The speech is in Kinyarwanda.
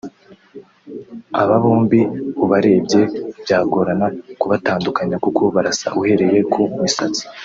Aba bombi ubarebye byagorana kubatandukanya kuko barasa uhereye ku misatsi